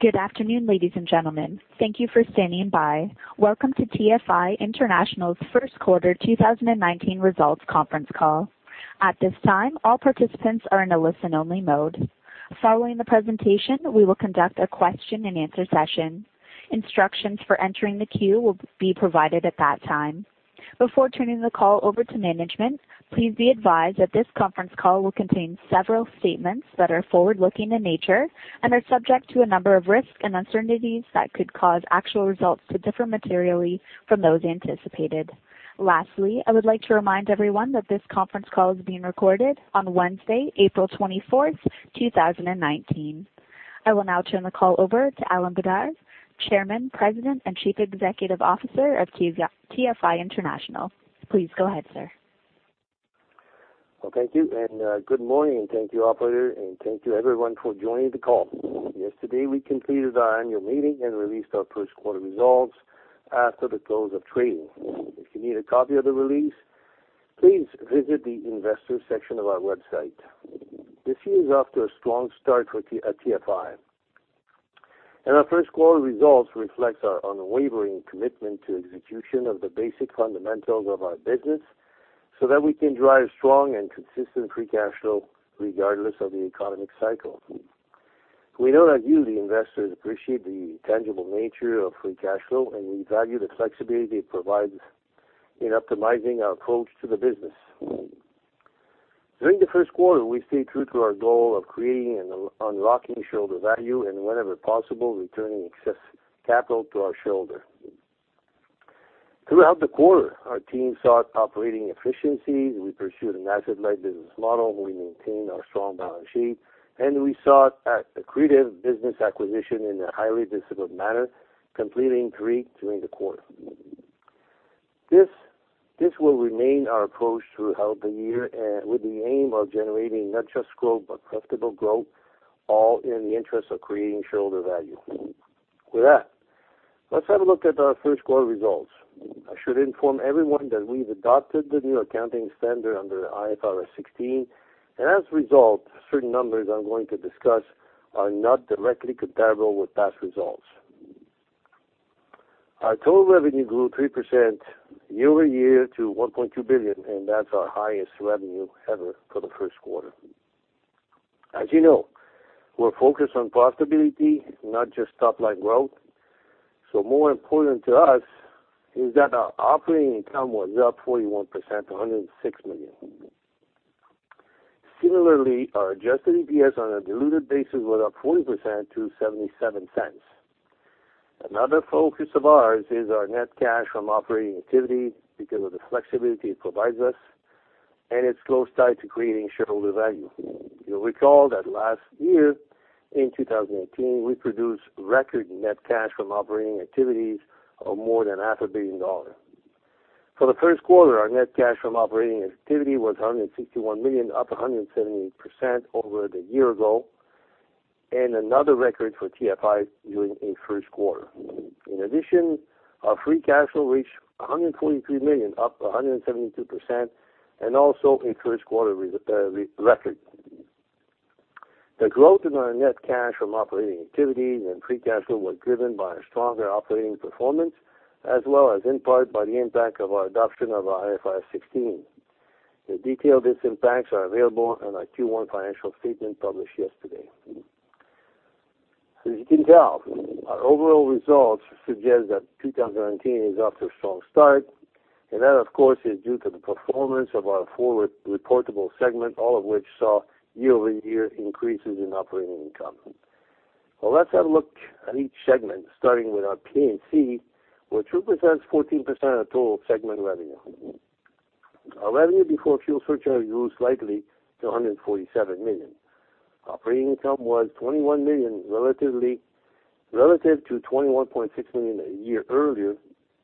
Good afternoon, ladies and gentlemen. Thank you for standing by. Welcome to TFI International's first quarter 2019 results conference call. At this time, all participants are in a listen-only mode. Following the presentation, we will conduct a question and answer session. Instructions for entering the queue will be provided at that time. Before turning the call over to management, please be advised that this conference call will contain several statements that are forward-looking in nature and are subject to a number of risks and uncertainties that could cause actual results to differ materially from those anticipated. Lastly, I would like to remind everyone that this conference call is being recorded on Wednesday, April 24th, 2019. I will now turn the call over to Alain Bédard, Chairman, President, and Chief Executive Officer of TFI International. Please go ahead, sir. Well, thank you. Good morning. Thank you, operator, and thank you everyone for joining the call. Yesterday, we completed our annual meeting and released our first quarter results after the close of trading. If you need a copy of the release, please visit the investors section of our website. This year is off to a strong start for TFI, and our first quarter results reflect our unwavering commitment to execution of the basic fundamentals of our business so that we can drive strong and consistent free cash flow regardless of the economic cycle. We know that you, the investors, appreciate the tangible nature of free cash flow, and we value the flexibility it provides in optimizing our approach to the business. During the first quarter, we stayed true to our goal of creating and unlocking shareholder value and whenever possible, returning excess capital to our shareholders. Throughout the quarter, our team sought operating efficiencies, we pursued an asset-light business model, we maintained our strong balance sheet, and we sought accretive business acquisition in a highly disciplined manner, completing three during the quarter. This will remain our approach throughout the year with the aim of generating not just growth, but profitable growth, all in the interest of creating shareholder value. With that, let's have a look at our first quarter results. I should inform everyone that we've adopted the new accounting standard under IFRS 16, and as a result, certain numbers I'm going to discuss are not directly comparable with past results. Our total revenue grew 3% year-over-year to 1.2 billion, and that's our highest revenue ever for the first quarter. As you know, we're focused on profitability, not just top-line growth. More important to us is that our operating income was up 41% to 106 million. Similarly, our adjusted EPS on a diluted basis was up 40% to 0.77. Another focus of ours is our net cash from operating activity because of the flexibility it provides us, and it's close tied to creating shareholder value. You'll recall that last year in 2018, we produced record net cash from operating activities of more than half a billion dollars. For the first quarter, our net cash from operating activity was 161 million, up 178% over the year ago, and another record for TFI during a first quarter. In addition, our free cash flow reached 143 million, up 172%, and also a first quarter record. The growth in our net cash from operating activities and free cash flow was driven by a stronger operating performance as well as in part by the impact of our adoption of IFRS 16. The detailed impacts are available on our Q1 financial statement published yesterday. As you can tell, our overall results suggest that 2019 is off to a strong start, and that, of course, is due to the performance of our four reportable segments, all of which saw year-over-year increases in operating income. Let's have a look at each segment, starting with our P&C, which represents 14% of total segment revenue. Our revenue before fuel surcharge rose slightly to 147 million. Operating income was 21 million relative to 21.6 million a year earlier,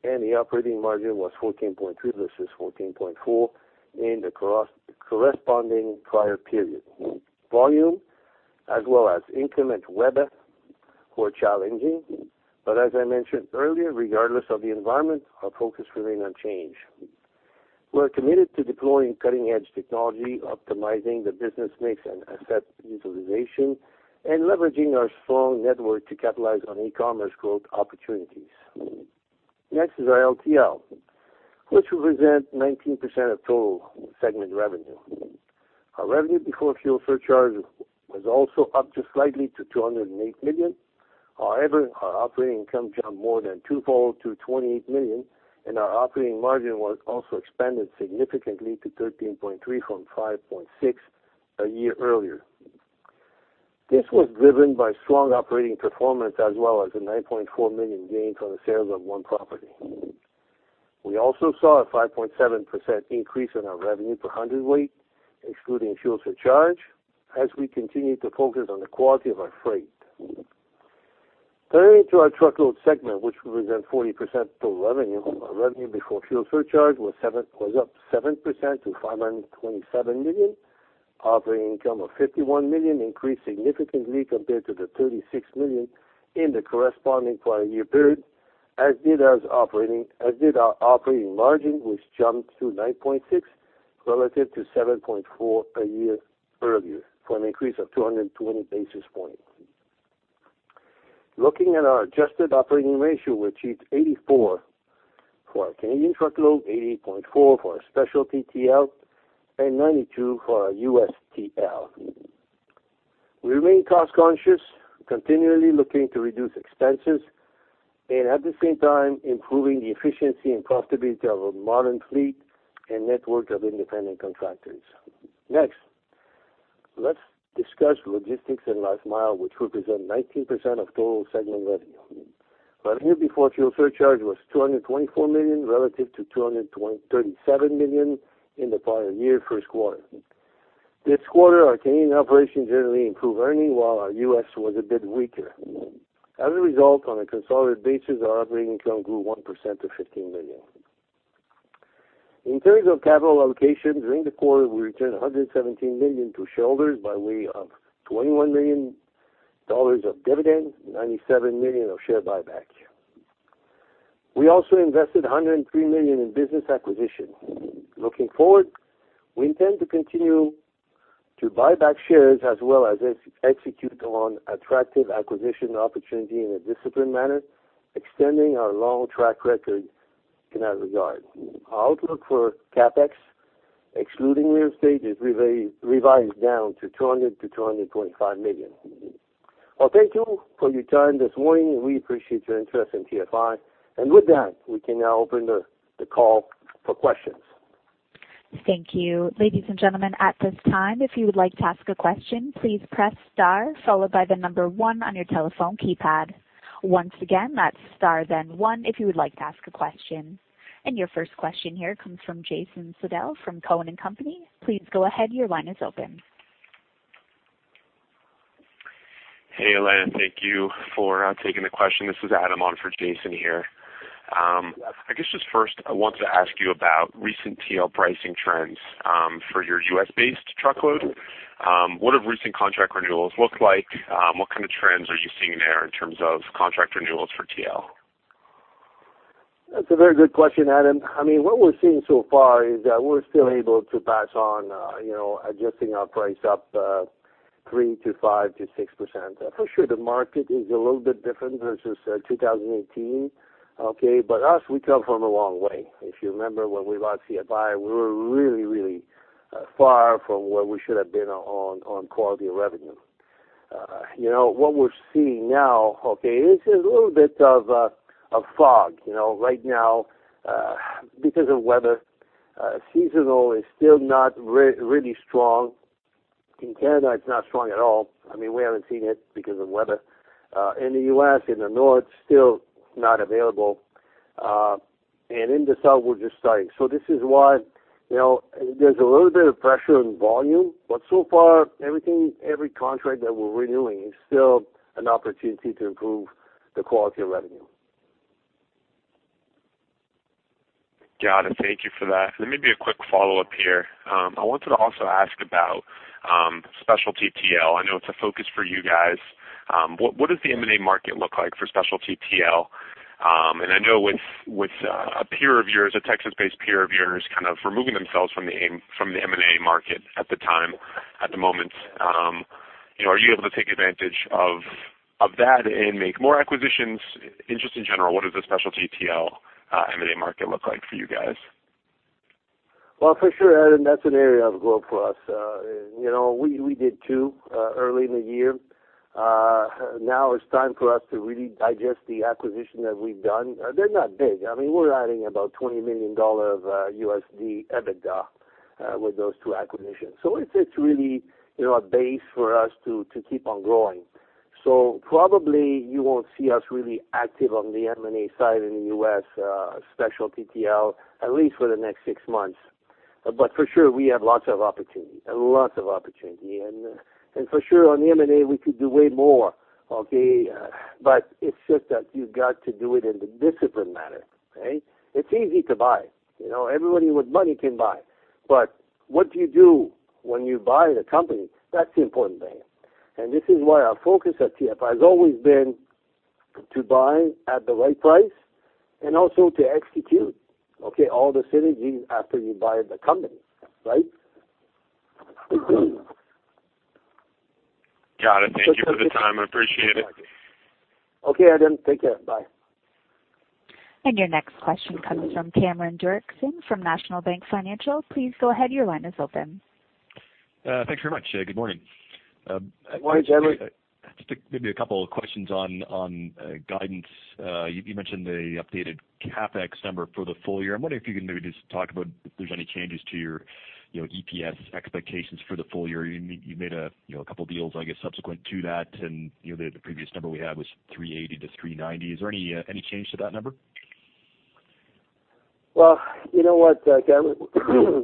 and the operating margin was 14.3% versus 14.4% in the corresponding prior period. Volume as well as inclement weather were challenging, as I mentioned earlier, regardless of the environment, our focus remains unchanged. We are committed to deploying cutting-edge technology, optimizing the business mix and asset utilization, and leveraging our strong network to capitalize on e-commerce growth opportunities. Next is our LTL, which represents 19% of total segment revenue. Our revenue before fuel surcharge was also up just slightly to 208 million. However, our operating income jumped more than twofold to 28 million, and our operating margin was also expanded significantly to 13.3% from 5.6% a year earlier. This was driven by strong operating performance as well as a 9.4 million gain from the sales of one property. We also saw a 5.7% increase in our revenue per hundred weight, excluding fuel surcharge, as we continue to focus on the quality of our freight. Turning to our truckload segment, which represents 40% of total revenue, our revenue before fuel surcharge was up 7% to 527 million. Operating income of 51 million increased significantly compared to 36 million in the corresponding prior year period, as did our operating margin, which jumped to 9.6% relative to 7.4% a year earlier, for an increase of 220 basis points. Looking at our adjusted operating ratio, we achieved 84% for our Canadian truckload, 88.4% for our specialty TL, and 92% for our U.S. TL. We remain cost-conscious, continually looking to reduce expenses, and at the same time improving the efficiency and profitability of a modern fleet and network of independent contractors. Next, let's discuss logistics and last mile, which represent 19% of total segment revenue. Revenue before fuel surcharge was 224 million, relative to 237 million in the prior year first quarter. This quarter, our Canadian operation generally improved earning, while our U.S. was a bit weaker. As a result, on a consolidated basis, our operating income grew 1% to 15 million. In terms of capital allocation, during the quarter, we returned 117 million to shareholders by way of 21 million dollars of dividends, 97 million of share buyback. We also invested 103 million in business acquisition. Looking forward, we intend to continue to buy back shares as well as execute on attractive acquisition opportunity in a disciplined manner, extending our long track record in that regard. Our outlook for CapEx, excluding real estate, is revised down to 200 million-225 million. Thank you for your time this morning. We appreciate your interest in TFI. With that, we can now open the call for questions. Thank you. Ladies and gentlemen, at this time, if you would like to ask a question, please press star followed by the number one on your telephone keypad. Once again, that's star then one if you would like to ask a question. Your first question here comes from Jason Seidl from Cowen and Company. Please go ahead. Your line is open. Alain. Thank you for taking the question. This is Adam on for Jason here. First I wanted to ask you about recent TL pricing trends for your U.S.-based truckload. What have recent contract renewals looked like? What kind of trends are you seeing there in terms of contract renewals for TL? That's a very good question, Adam. What we're seeing so far is that we're still able to pass on adjusting our price up 3% to 5% to 6%. For sure, the market is a little bit different versus 2018. Okay. Us, we come from a long way. If you remember when we bought TFI, we were really far from where we should have been on quality of revenue. What we're seeing now, okay, is a little bit of fog. Right now, because of weather, seasonal is still not really strong. In Canada, it's not strong at all. We haven't seen it because of weather. In the U.S., in the north, still not available. In the south, we're just starting. This is why there's a little bit of pressure in volume. So far, every contract that we're renewing is still an opportunity to improve the quality of revenue. Got it. Thank you for that. Maybe a quick follow-up here. I wanted to also ask about specialty TL. I know it's a focus for you guys. What does the M&A market look like for specialty TL? I know with a Texas-based peer of yours kind of removing themselves from the M&A market at the moment. Are you able to take advantage of that and make more acquisitions? Just in general, what does the specialty TL M&A market look like for you guys? For sure, Adam, that's an area of growth for us. We did two early in the year. Now it's time for us to really digest the acquisition that we've done. They're not big. We're adding about $20 million of USD EBITDA with those two acquisitions. It's really a base for us to keep on growing. Probably you won't see us really active on the M&A side in the U.S. specialty TL, at least for the next six months. For sure, we have lots of opportunity. For sure, on the M&A, we could do way more. Okay. It's just that you've got to do it in the disciplined manner. Okay. It's easy to buy. Everybody with money can buy. What do you do when you buy the company? That's the important thing. This is why our focus at TFI has always been to buy at the right price and also to execute all the synergies after you buy the company, right? Got it. Thank you for the time. I appreciate it. Okay, Adam. Take care. Bye. Your next question comes from Cameron Doerksen from National Bank Financial. Please go ahead, your line is open. Thanks very much. Good morning. Good morning, Cameron. Just maybe a couple of questions on guidance. You mentioned the updated CapEx number for the full year. I'm wondering if you can maybe just talk about if there's any changes to your EPS expectations for the full year. You made a couple deals, I guess, subsequent to that, and the previous number we had was 3.80 to 3.90. Is there any change to that number? You know what, Cameron,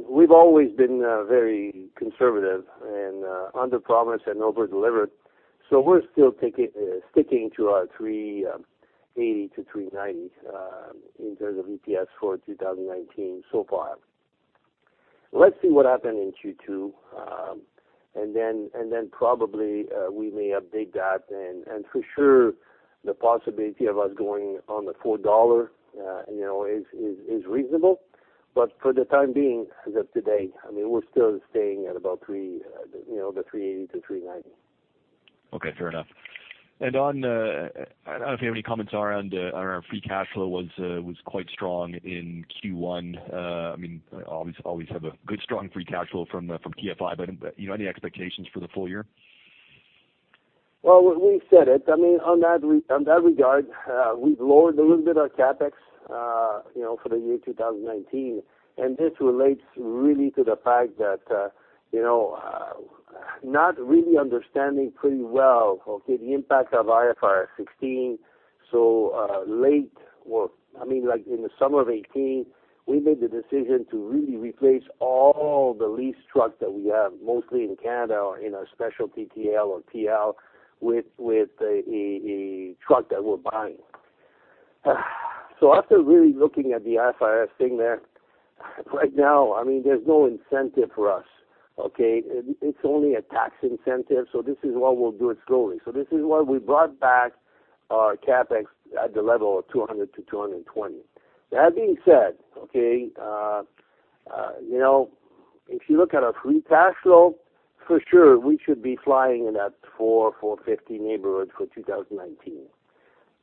we've always been very conservative and underpromised and overdelivered. We're still sticking to our 3.80 to 3.90 in terms of EPS for 2019 so far. Let's see what happens in Q2. Then probably, we may update that. For sure, the possibility of us going on the 4 dollar is reasonable. For the time being, as of today, we're still staying at about the 3.80 to 3.90. Fair enough. I don't know if you have any comments around our free cash flow was quite strong in Q1. Obviously, always have a good strong free cash flow from TFI, do you have any expectations for the full year? We said it. On that regard, we've lowered a little bit our CapEx for the year 2019. This relates really to the fact that not really understanding pretty well, okay, the impact of IFRS 16 so late or in the summer of 2018, we made the decision to really replace all the lease trucks that we have, mostly in Canada or in our specialty TL or TL with a truck that we're buying. After really looking at the IFRS thing there, right now, there's no incentive for us. Okay. It's only a tax incentive, this is why we'll do it slowly. This is why we brought back our CapEx at the level of 200-220. That being said, okay, if you look at our free cash flow, for sure, we should be flying in that 400-450 neighborhood for 2019.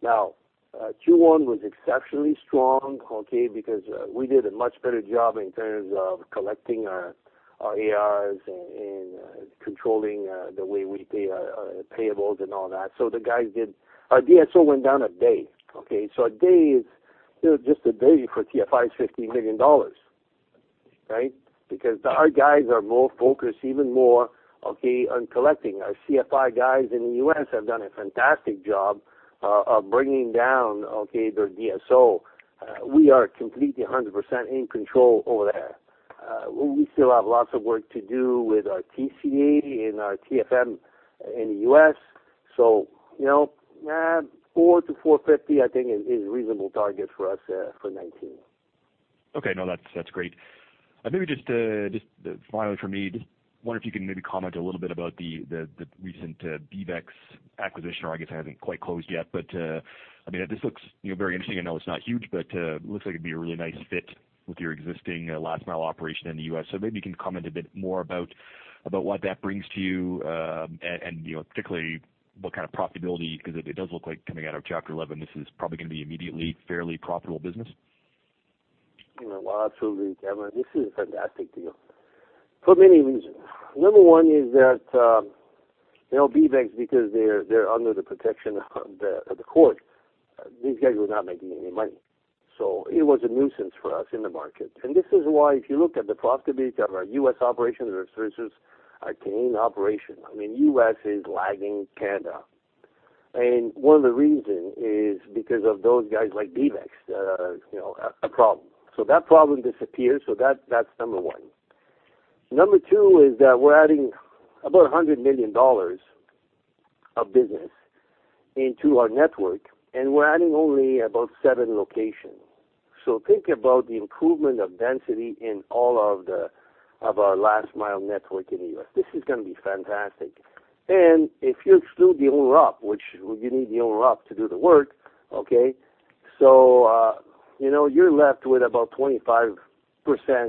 Q1 was exceptionally strong, okay, because we did a much better job in terms of collecting our ARs and controlling the way we pay our payables and all that. Our DSO went down a day. Okay? A day is still just a day for TFI is 50 million dollars. Right? Because our guys are more focused even more, okay, on collecting. Our CFI guys in the U.S. have done a fantastic job of bringing down, okay, their DSO. We are completely 100% in control over there. We still have lots of work to do with our TCA and our TFM in the U.S. 400-450, I think, is a reasonable target for us for 2019. Okay. No, that's great. Maybe just finally from me, just wonder if you can maybe comment a little bit about the recent BeavEx acquisition, or I guess it hasn't quite closed yet, but this looks very interesting. I know it's not huge, but it looks like it'd be a really nice fit with your existing last mile operation in the U.S. Maybe you can comment a bit more about what that brings to you, and particularly what kind of profitability, because it does look like coming out of Chapter 11, this is probably going to be immediately fairly profitable business. Well, absolutely, Cameron. This is a fantastic deal for many reasons. Number one is that BeavEx, because they're under the protection of the court, these guys were not making any money. It was a nuisance for us in the market. This is why, if you look at the profitability of our U.S. operations versus our Canadian operation, U.S. is lagging Canada. One of the reason is because of those guys like BeavEx, a problem. That problem disappears, so that's number one. Number two is that we're adding about 100 million dollars of business into our network, and we're adding only about seven locations. Think about the improvement of density in all of our last mile network in the U.S. This is going to be fantastic. If you exclude the owner op, which you need the owner op to do the work, okay, so you're left with about 25%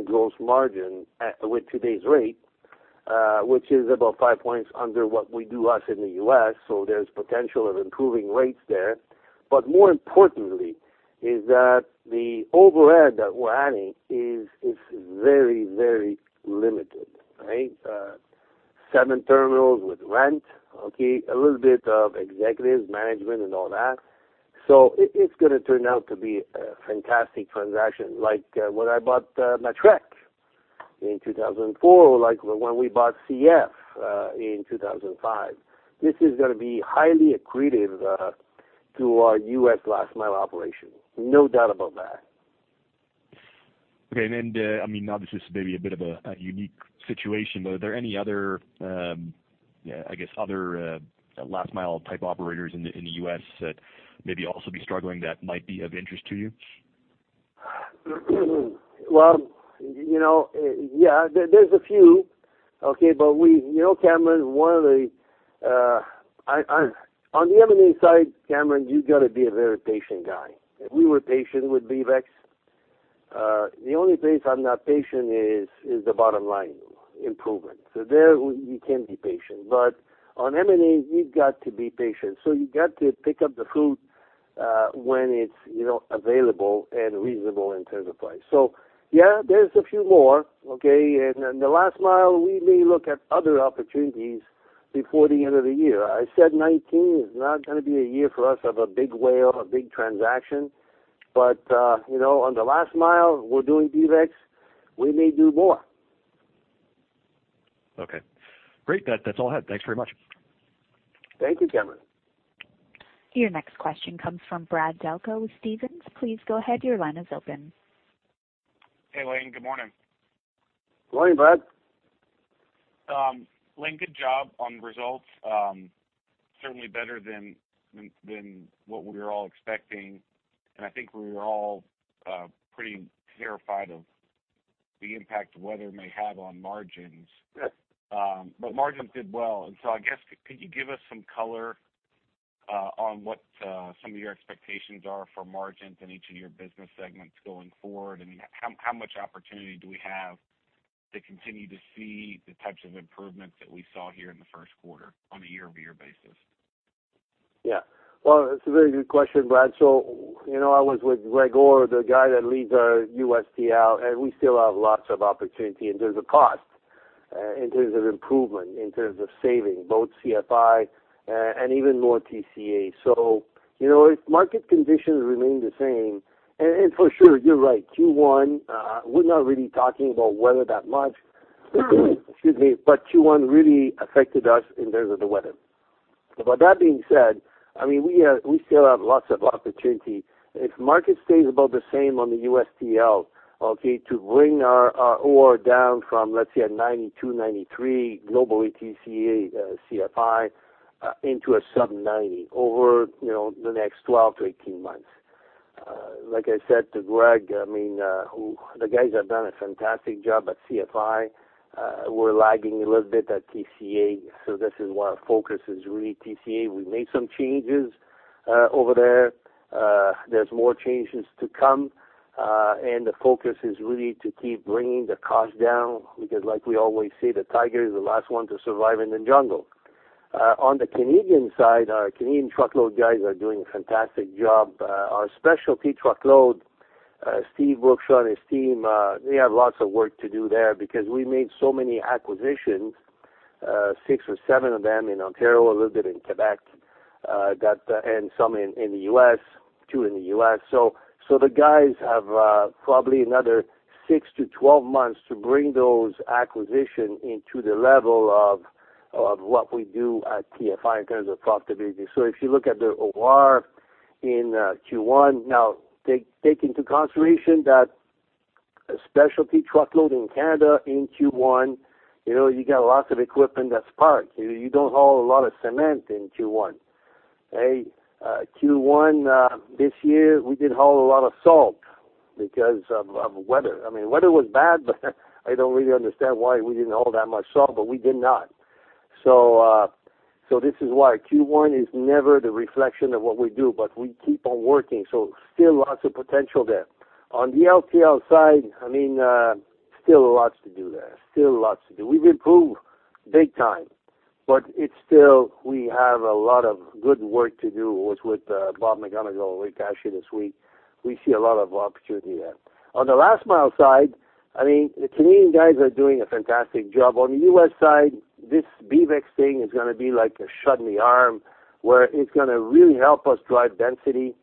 gross margin at with today's rate, which is about five points under what we do us in the U.S., so there's potential of improving rates there. More importantly is that the overhead that we're adding is very, very limited, right? Seven terminals with rent, okay, a little bit of executives, management and all that. It's going to turn out to be a fantastic transaction like when I bought Matrec in 2004, like when we bought CF in 2005. This is going to be highly accretive to our U.S. last mile operation. No doubt about that. Okay. Now this is maybe a bit of a unique situation, but are there any other last mile type operators in the U.S. that maybe also be struggling that might be of interest to you? Well, yeah, there's a few. Okay, Cameron, on the M&A side, Cameron, you've got to be a very patient guy. We were patient with BeavEx. The only place I'm not patient is the bottom line improvement. There we can be patient, but on M&A, you've got to be patient. You've got to pick up the fruit when it's available and reasonable in terms of price. Yeah, there's a few more, okay? The last mile, we may look at other opportunities before the end of the year. I said 2019 is not going to be a year for us of a big whale, a big transaction. On the last mile, we're doing BeavEx, we may do more. Okay, great. That's all I had. Thanks very much. Thank you, Cameron. Your next question comes from Brad Delco with Stephens. Please go ahead. Your line is open. Hey, Alain. Good morning. Good morning, Brad. Alain, good job on the results. Certainly better than what we were all expecting. I think we were all pretty terrified of the impact weather may have on margins. Yes. Margins did well. I guess, could you give us some color on what some of your expectations are for margins in each of your business segments going forward? I mean, how much opportunity do we have to continue to see the types of improvements that we saw here in the first quarter on a year-over-year basis? Yeah. Well, it's a very good question, Brad. I was with Gregor, the guy that leads our USTL, and we still have lots of opportunity in terms of cost, in terms of improvement, in terms of saving, both CFI and even more TCA. If market conditions remain the same, and for sure, you're right, Q1, we're not really talking about weather that much. Excuse me, Q1 really affected us in terms of the weather. That being said, we still have lots of opportunity. If market stays about the same on the USTL, okay, to bring our OR down from, let's say, a 92, 93 globally TCA, CFI, into a sub 90 over the next 12 to 18 months. Like I said to Greg, the guys have done a fantastic job at CFI. We're lagging a little bit at TCA, this is why our focus is really TCA. We made some changes over there. There's more changes to come, and the focus is really to keep bringing the cost down because like we always say, the tiger is the last one to survive in the jungle. On the Canadian side, our Canadian truckload guys are doing a fantastic job. Our specialty truckload, Steve Wilks and his team, they have lots of work to do there because we made so many acquisitions, six or seven of them in Ontario, a little bit in Quebec, and some in the U.S., two in the U.S. The guys have probably another 6 to 12 months to bring those acquisition into the level of what we do at TFI in terms of profitability. If you look at the OR in Q1, now, take into consideration that specialty truckload in Canada in Q1, you got lots of equipment that's parked. You don't haul a lot of cement in Q1. Q1, this year, we did haul a lot of salt because of weather. I mean, weather was bad, I don't really understand why we didn't haul that much salt, we did not. This is why Q1 is never the reflection of what we do, we keep on working, still lots of potential there. On the LTL side, still lots to do there. Still lots to do. We've improved big time, but it's still, we have a lot of good work to do with [Bob McIngvale], [Rick Asher] this week. We see a lot of opportunity there. On the Last Mile side, the Canadian guys are doing a fantastic job. On the U.S. side, this BeavEx thing is going to be like a shot in the arm, where it's going to really help us drive density,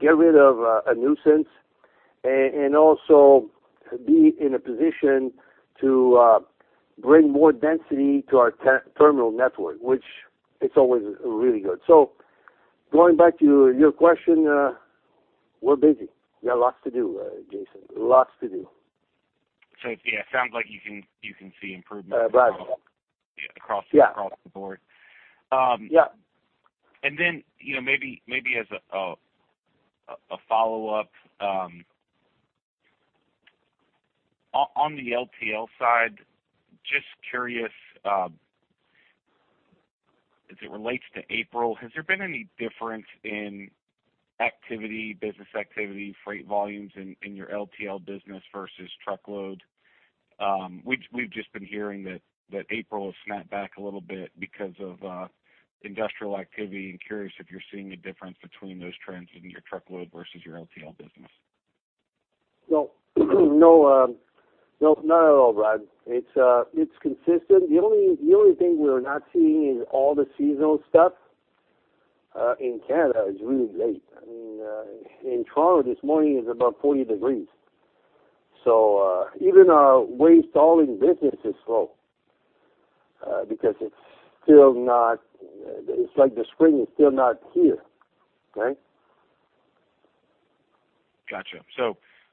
get rid of a nuisance, and also be in a position to bring more density to our terminal network, which it's always really good. Going back to your question, we're busy. We got lots to do, Jason. Lots to do. Yeah, sounds like you can see improvements. Brad, yeah. across the board. Yeah. Maybe as a follow-up, on the LTL side, just curious, as it relates to April, has there been any difference in business activity, freight volumes in your LTL business versus truckload? We've just been hearing that April has snapped back a little bit because of industrial activity. I'm curious if you're seeing a difference between those trends in your truckload versus your LTL business. No. No, not at all, Brad. It's consistent. The only thing we're not seeing is all the seasonal stuff. In Canada, it's really late. I mean, in Toronto this morning it's about 40 degrees. Even our waste hauling business is slow because it's like the spring is still not here, right? Got you.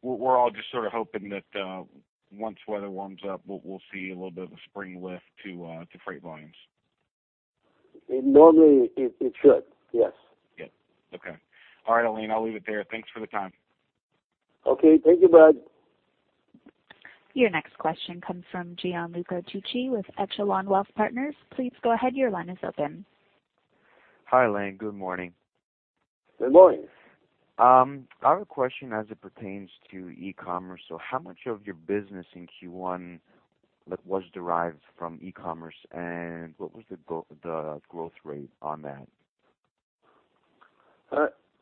We're all just sort of hoping that once weather warms up, we'll see a little bit of a spring lift to freight volumes. Normally, it should, yes. Yeah. Okay. All right, Alain, I'll leave it there. Thanks for the time. Okay. Thank you, Brad. Your next question comes from Gian Luca Tucci with Echelon Wealth Partners. Please go ahead, your line is open. Hi, Alain. Good morning. Good morning. I have a question as it pertains to e-commerce. How much of your business in Q1 was derived from e-commerce, and what was the growth rate on that?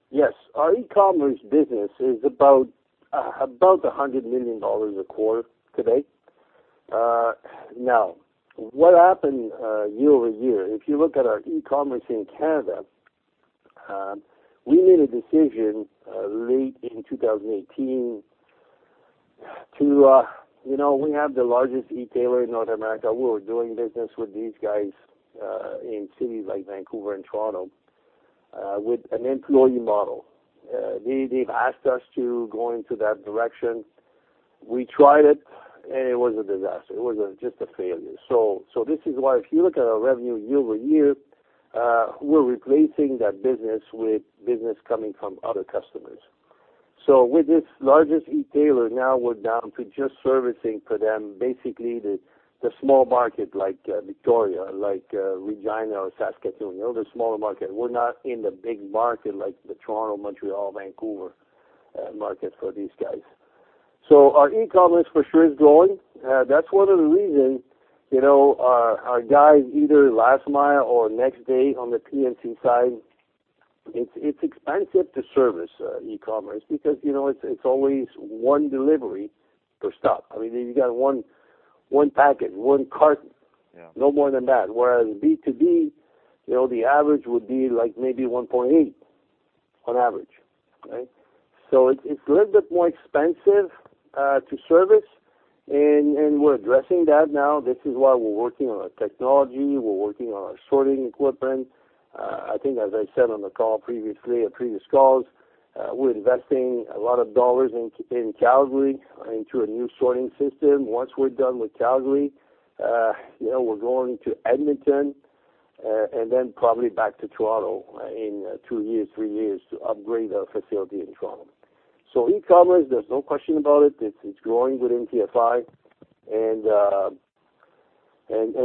Yes. Our e-commerce business is about 100 million dollars a quarter today. What happened year-over-year, if you look at our e-commerce in Canada, we made a decision late in 2018. We have the largest e-tailer in North America. We were doing business with these guys in cities like Vancouver and Toronto with an employee model. They've asked us to go into that direction. We tried it, and it was a disaster. It was just a failure. This is why, if you look at our revenue year-over-year, we're replacing that business with business coming from other customers. With this largest e-tailer, now we're down to just servicing for them, basically the small market like Victoria, like Regina or Saskatoon, the smaller market. We're not in the big market like the Toronto, Montreal, Vancouver market for these guys. Our e-commerce for sure is growing. That's one of the reasons our guys, either last mile or next day on the P&C side, it's expensive to service e-commerce because it's always one delivery per stop. I mean, you got one packet, one carton. Yeah no more than that. Whereas B2B, the average would be maybe 1.8 on average, right? It's a little bit more expensive to service, and we're addressing that now. This is why we're working on our technology. We're working on our sorting equipment. I think as I said on the call previously, or previous calls, we're investing a lot of dollars in Calgary into a new sorting system. Once we're done with Calgary, we're going to Edmonton, and then probably back to Toronto in two years, three years, to upgrade our facility in Toronto. E-commerce, there's no question about it's growing within TFI, and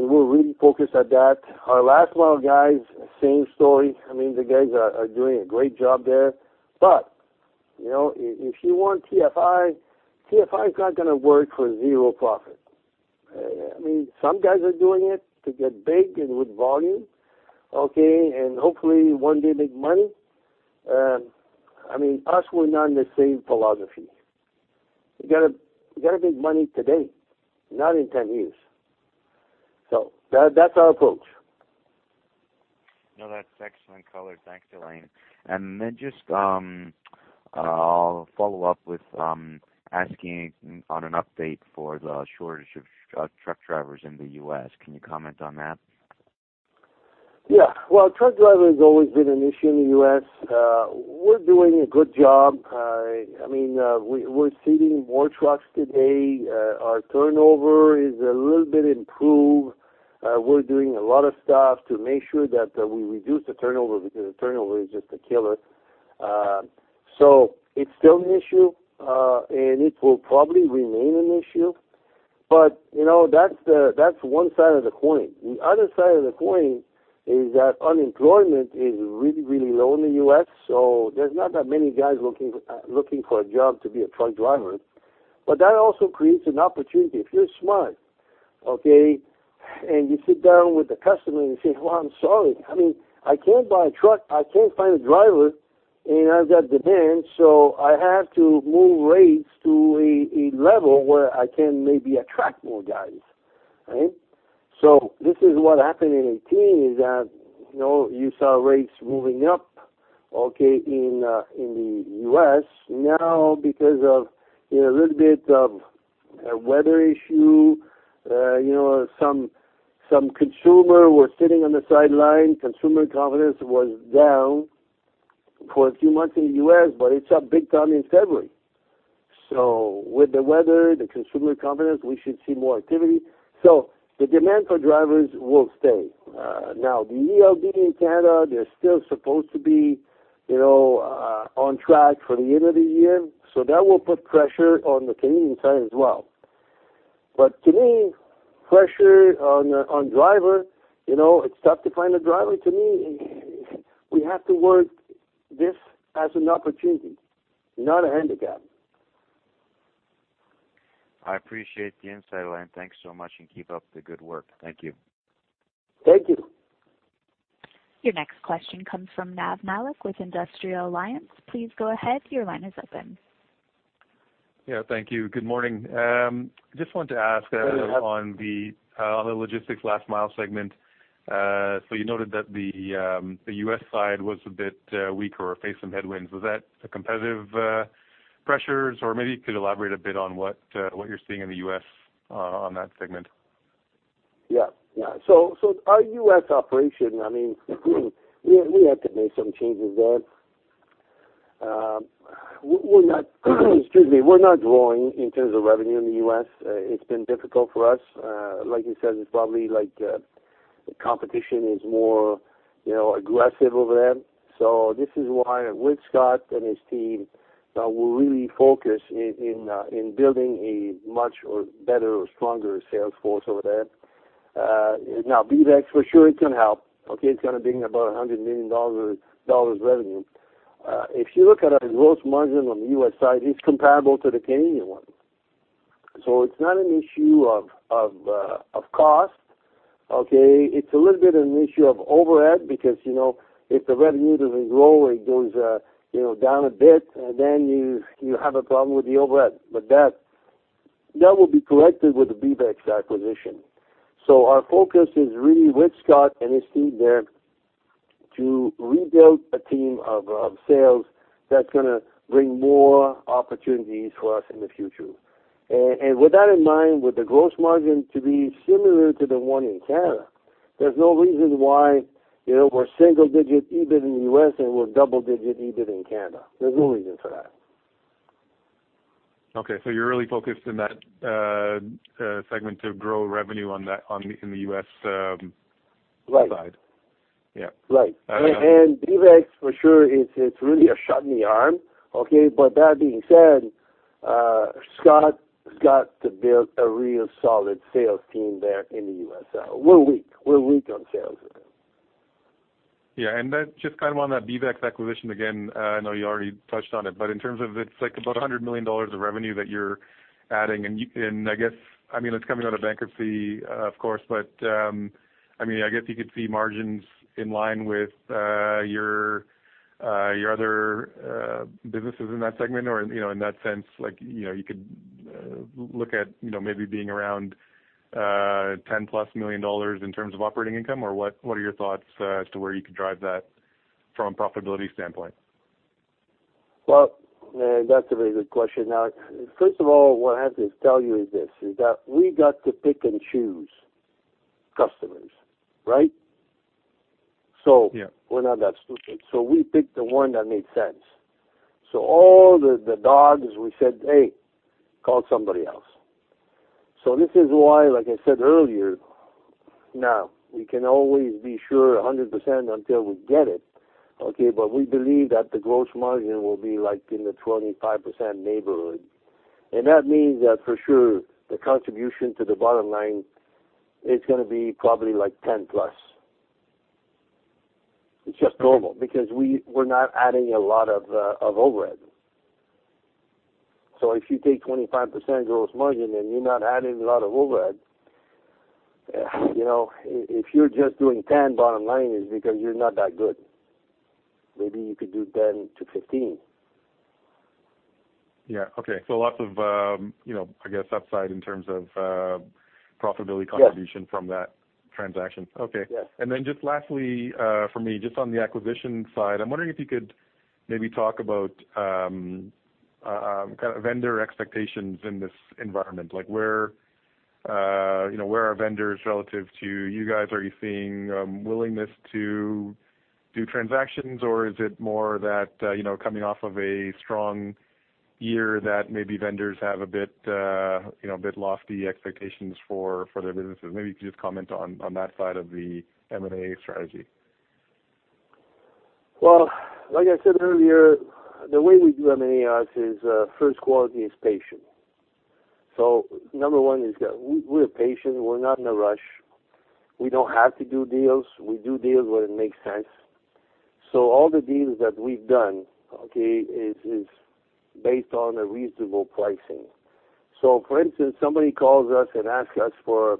we're really focused on that. Our last mile guys, same story. I mean, the guys are doing a great job there. If you want TFI is not going to work for zero profit. I mean, some guys are doing it to get big and with volume, okay, and hopefully one day make money. I mean, us, we're not in the same philosophy. We gotta make money today, not in 10 years. That's our approach. No, that's excellent color. Thanks, Alain Bédard. Then just I'll follow up with asking on an update for the shortage of truck drivers in the U.S. Can you comment on that? Yeah. Well, truck driver has always been an issue in the U.S. We're doing a good job. We're seating more trucks today. Our turnover is a little bit improved. We're doing a lot of stuff to make sure that we reduce the turnover because the turnover is just a killer. It's still an issue, and it will probably remain an issue. That's one side of the coin. The other side of the coin is that unemployment is really, really low in the U.S., so there's not that many guys looking for a job to be a truck driver. That also creates an opportunity, if you're smart, okay, and you sit down with the customer and you say, "Well, I'm sorry. I can't buy a truck, I can't find a driver, and I've got demand, so I have to move rates to a level where I can maybe attract more guys." Right? This is what happened in 2018, is that you saw rates moving up, okay, in the U.S. Because of a little bit of a weather issue, some consumer were sitting on the sideline. Consumer confidence was down for a few months in the U.S., it's up big time in February. With the weather, the consumer confidence, we should see more activity. The demand for drivers will stay. The ELD in Canada, they're still supposed to be on track for the end of the year, that will put pressure on the Canadian side as well. To me, pressure on driver, it's tough to find a driver. To me, we have to work this as an opportunity, not a handicap. I appreciate the insight, Alain. Thanks so much, and keep up the good work. Thank you. Thank you. Your next question comes from Nav Malik with Industrial Alliance. Please go ahead. Your line is open. Yeah, thank you. Good morning. Just wanted to ask- Good. on the logistics last mile segment. You noted that the U.S. side was a bit weaker or faced some headwinds. Was that the competitive pressures? Maybe you could elaborate a bit on what you're seeing in the U.S. on that segment. Yeah. Our U.S. operation, I mean, we had to make some changes there. Excuse me. We're not growing in terms of revenue in the U.S. It's been difficult for us. Like you said, it's probably like the competition is more aggressive over there. This is why with Scott and his team, we're really focused in building a much better or stronger sales force over there. BeavEx for sure it's going to help, okay? It's going to bring about 100 million dollars revenue. If you look at our gross margin on the U.S. side, it's comparable to the Canadian one. It's not an issue of cost, okay? It's a little bit an issue of overhead because if the revenue doesn't grow, it goes down a bit, then you have a problem with the overhead. That will be corrected with the BeavEx acquisition. Our focus is really with Scott and his team there to rebuild a team of sales that's going to bring more opportunities for us in the future. With that in mind, with the gross margin to be similar to the one in Canada, there's no reason why we're single digit EBIT in the U.S. and we're double digit EBIT in Canada. There's no reason for that. Okay, you're really focused in that segment to grow revenue in the U.S. side. Right. Yeah. Right. BeavEx, for sure, it's really a shot in the arm, okay? That being said, Scott has got to build a real solid sales team there in the U.S. We're weak on sales. Yeah. Just on that BeavEx acquisition again, I know you already touched on it, but in terms of, it's about 100 million dollars of revenue that you're adding. It's coming out of bankruptcy, of course, but I guess you could see margins in line with your other businesses in that segment or in that sense, you could look at maybe being around, 10 plus million in terms of operating income? What are your thoughts as to where you could drive that from a profitability standpoint? Well, that's a very good question. First of all, what I have to tell you is this, is that we got to pick and choose customers, right? Yeah. We're not that stupid. We picked the one that made sense. All the dogs, we said, "Hey, call somebody else." This is why, like I said earlier, now, we can always be sure 100% until we get it, okay, but we believe that the gross margin will be in the 25% neighborhood. That means that for sure, the contribution to the bottom line, it's going to be probably 10 plus. It's just normal, because we're not adding a lot of overhead. If you take 25% gross margin and you're not adding a lot of overhead, if you're just doing 10 bottom line is because you're not that good. Maybe you could do 10 to 15. Yeah. Okay. Lots of upside in terms of profitability. Yes Contribution from that transaction. Yes. Lastly, for me, just on the acquisition side, I am wondering if you could maybe talk about vendor expectations in this environment. Where are vendors relative to you guys? Are you seeing willingness to do transactions, or is it more that, coming off of a strong year that maybe vendors have a bit lofty expectations for their businesses? Maybe if you could just comment on that side of the M&A strategy. Well, like I said earlier, the way we do M&A is, first quality is patient. Number one is that we are patient, we are not in a rush. We don't have to do deals. We do deals where it makes sense. All the deals that we've done, okay, is based on a reasonable pricing. For instance, somebody calls us and asks us for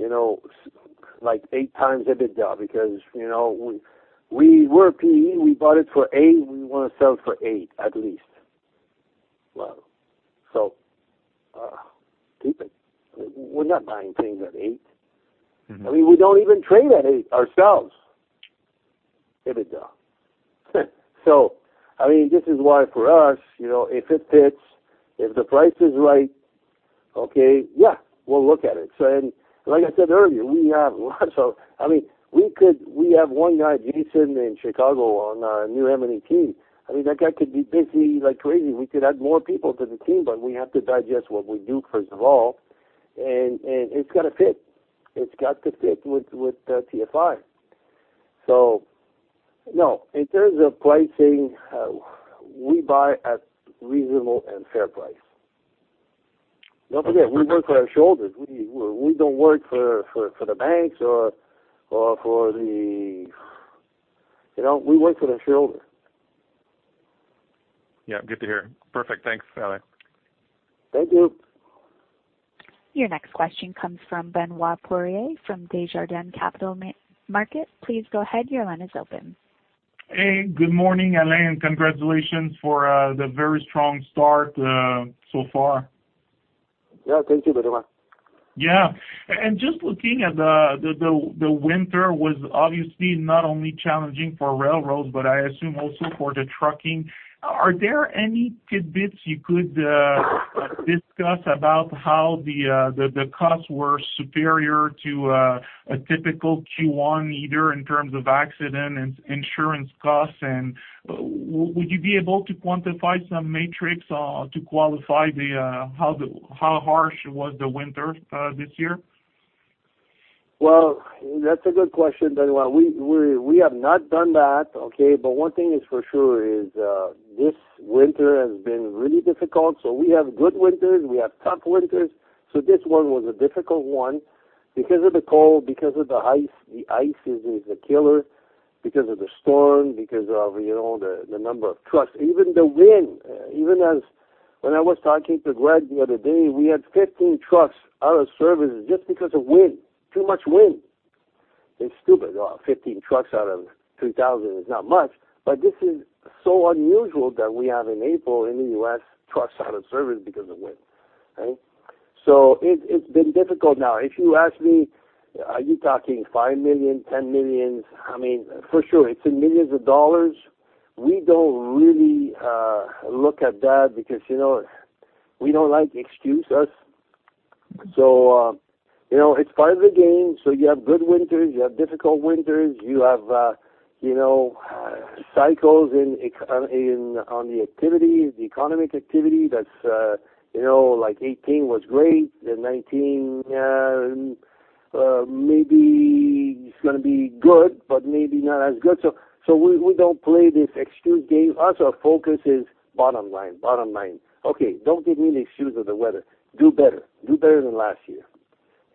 eight times EBITDA because we were PE, we bought it for eight, we want to sell it for eight, at least. Keep it. We are not buying things at eight. We don't even trade at eight ourselves. EBITDA. This is why for us, if it fits, if the price is right, okay, yeah, we'll look at it. Like I said earlier, we have one guy, Jason, in Chicago, on our new M&A team. That guy could be busy like crazy. We could add more people to the team, but we have to digest what we do first of all, and it's got to fit. It's got to fit with TFI. No, in terms of pricing, we buy at reasonable and fair price. Don't forget, we work for our shareholders. We don't work for the banks or We work for the shareholders. Yeah. Good to hear. Perfect. Thanks, Alain. Thank you. Your next question comes from Benoit Poirier from Desjardins Capital Markets. Please go ahead. Your line is open. Hey. Good morning, Alain. Congratulations for the very strong start so far. Yeah. Thank you, Benoit. Yeah. Just looking at the winter was obviously not only challenging for railroads, but I assume also for the trucking. Are there any tidbits you could discuss about how the costs were superior to a typical Q1, either in terms of accident and insurance costs, and would you be able to quantify some metrics to qualify how harsh was the winter this year? Well, that's a good question, Benoit. We have not done that, okay. One thing is for sure is, this winter has been really difficult. We have good winters, we have tough winters. This one was a difficult one because of the cold, because of the ice. The ice is the killer, because of the storm, because of the number of trucks. Even the wind, even as when I was talking to Greg the other day, we had 15 trucks out of service just because of wind. Too much wind. It's stupid. 15 trucks out of 3,000 is not much, but this is so unusual that we have in April in the U.S. trucks out of service because of wind, right? It's been difficult. Now, if you ask me, are you talking 5 million, 10 millions? For sure, it's in millions of dollars. We don't really look at that because we don't like excuses. It's part of the game. You have good winters, you have difficult winters, you have cycles on the activities, the economic activity, like 2018 was great, then 2019, maybe it's going to be good, but maybe not as good. We don't play this excuse game. Also, our focus is bottom line. Okay, don't give me the excuse of the weather. Do better. Do better than last year.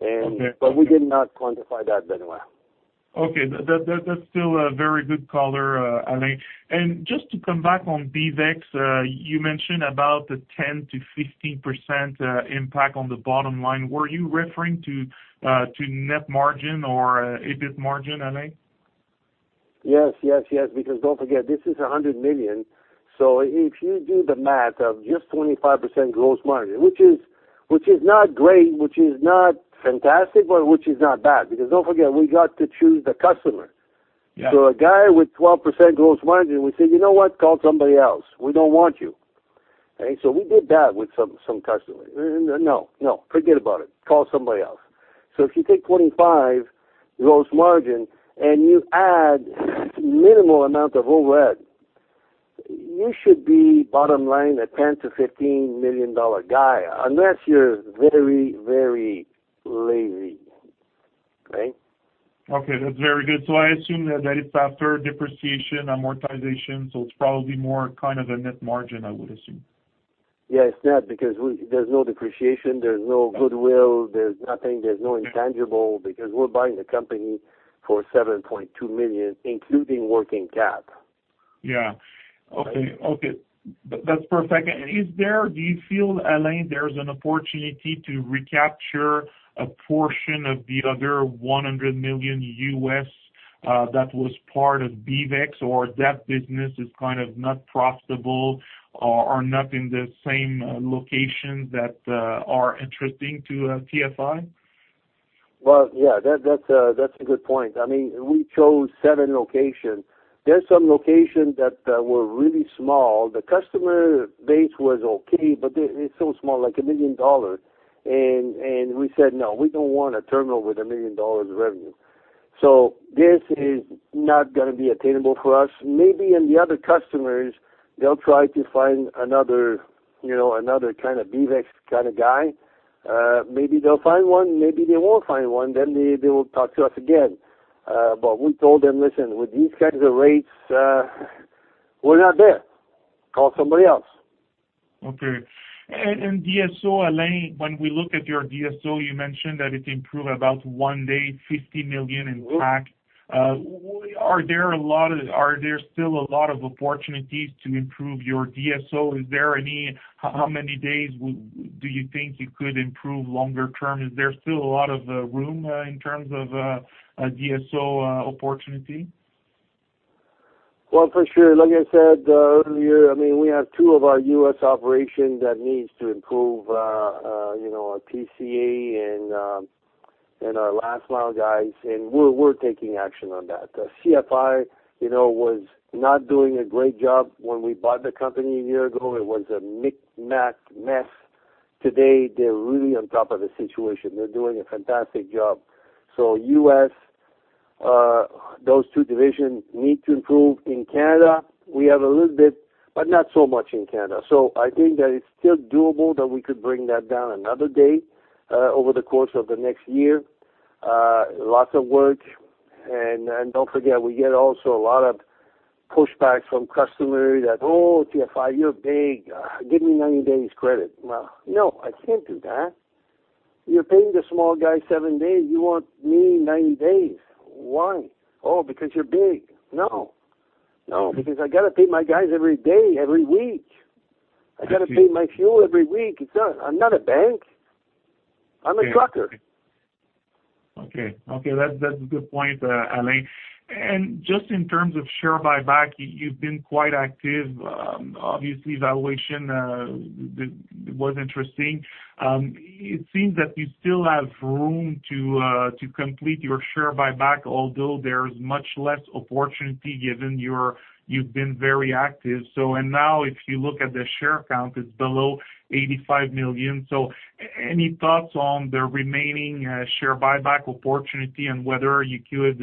Okay. We did not quantify that, Benoit. Okay. That's still a very good color, Alain. Just to come back on BeavEx, you mentioned about the 10%-15% impact on the bottom line. Were you referring to net margin or EBIT margin, Alain? Yes, because don't forget, this is 100 million. If you do the math of just 25% gross margin, which is not great, which is not fantastic, but which is not bad, because don't forget, we got to choose the customer. Yeah. A guy with 12% gross margin, we said, "You know what? Call somebody else. We don't want you." Okay. We did that with some customers. No, forget about it. Call somebody else. If you take 25% gross margin and you add minimal amount of overhead, you should be bottom line a 10 million-15 million dollar guy, unless you're very lazy. Okay? Okay. That's very good. I assume that it's after depreciation, amortization, so it's probably more kind of a net margin, I would assume. Yeah, it's net because there's no depreciation, there's no goodwill, there's nothing, there's no intangible because we're buying the company for 7.2 million, including working cap. Yeah. Okay. That's perfect. Do you feel, Alain, there's an opportunity to recapture a portion of the other $100 million that was part of BeavEx, or that business is kind of not profitable or not in the same location that are interesting to TFI? Well, yeah. That's a good point. We chose seven locations. There's some locations that were really small. The customer base was okay, but it's so small, like 1 million dollars. We said, "No, we don't want a terminal with 1 million dollars revenue." This is not going to be attainable for us. Maybe in the other customers, they'll try to find another BeavEx kind of guy. Maybe they'll find one, maybe they won't find one, they will talk to us again. We told them, "Listen, with these kinds of rates, we're not there. Call somebody else. Okay. DSO, Alain, when we look at your DSO, you mentioned that it improved about one day, 50 million intact. Are there still a lot of opportunities to improve your DSO? How many days do you think you could improve longer term? Is there still a lot of room in terms of a DSO opportunity? Well, for sure. Like I said earlier, we have two of our U.S. operations that needs to improve, our TCA and our last mile guys, and we're taking action on that. CFI was not doing a great job when we bought the company a year ago. It was a knick-knack mess. Today, they're really on top of the situation. They're doing a fantastic job. U.S., those two divisions need to improve. In Canada, we have a little bit, but not so much in Canada. I think that it's still doable that we could bring that down another day over the course of the next year. Lots of work. Don't forget, we get also a lot of pushbacks from customers that, "Oh, TFI, you're big. Give me 90 days credit." No, I can't do that. You're paying the small guy seven days. You want me 90 days. Why? Oh, because you're big." No. I got to pay my guys every day, every week. I got to pay my fuel every week. I'm not a bank. I'm a trucker. Okay. That's a good point, Alain. Just in terms of share buyback, you've been quite active. Obviously, valuation was interesting. It seems that you still have room to complete your share buyback, although there's much less opportunity given you've been very active. If you look at the share count, it's below 85 million. Any thoughts on the remaining share buyback opportunity and whether you could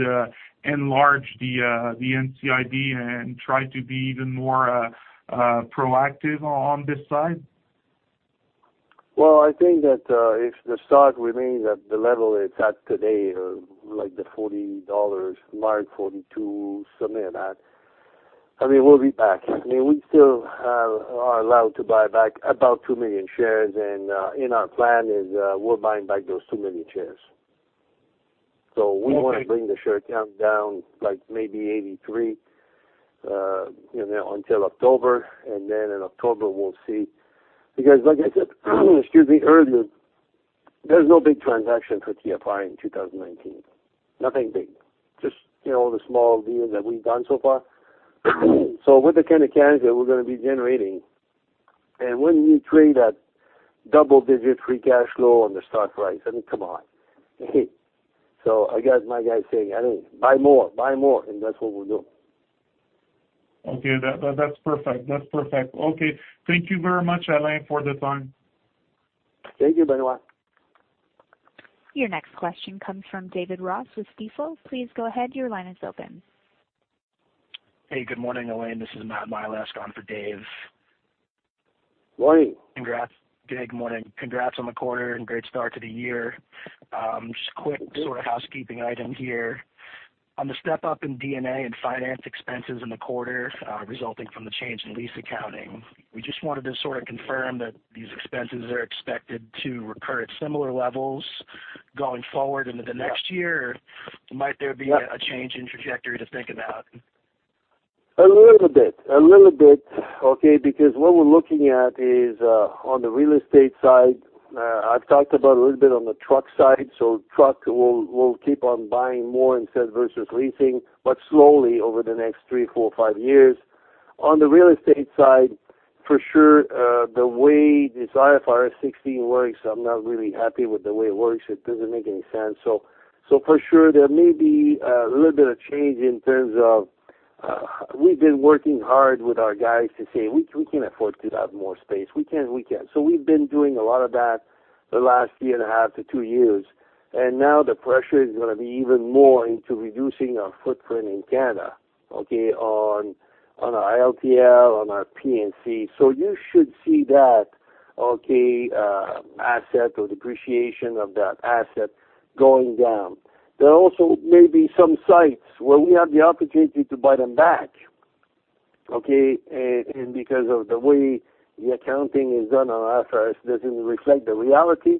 enlarge the NCIB and try to be even more proactive on this side? Well, I think that if the stock remains at the level it's at today, like the 40 dollars mark, 42, something like that, we'll be back. We still are allowed to buy back about 2 million shares and in our plan is we're buying back those 2 million shares. We want to bring the share count down like maybe 83 until October, and then in October, we'll see. Like I said, excuse me, earlier, there's no big transaction for TFI in 2019. Nothing big. Just the small deals that we've done so far. With the kind of cash that we're going to be generating. When you create that double-digit free cash flow on the stock price, I mean, come on. I got my guys saying, "Buy more." That's what we'll do. Okay. That's perfect. Okay. Thank you very much, Alain, for the time. Thank you very much. Your next question comes from David Ross with Stifel. Please go ahead. Your line is open. Hey, good morning, Alain. This is Matthew Milask for Dave. Morning. Good day. Good morning. Congrats on the quarter and great start to the year. Sure sort of housekeeping item here. On the step up in D&A and finance expenses in the quarter, resulting from the change in lease accounting, we just wanted to sort of confirm that these expenses are expected to recur at similar levels going forward into the next year. Yeah. Might there be a change in trajectory to think about? A little bit, okay? What we're looking at is, on the real estate side, I've talked about a little bit on the truck side, so truck, we'll keep on buying more instead versus leasing, but slowly over the next three, four, five years. On the real estate side, for sure, the way this IFRS 16 works, I'm not really happy with the way it works. It doesn't make any sense. For sure, there may be a little bit of change in terms of, we've been working hard with our guys to say, "We can't afford to have more space. We can't." We've been doing a lot of that the last year and a half to two years, and now the pressure is going to be even more into reducing our footprint in Canada, okay, on our LTL, on our P&C. You should see that asset or depreciation of that asset going down. There also may be some sites where we have the opportunity to buy them back, okay? Because of the way the accounting is done on IFRS doesn't reflect the reality,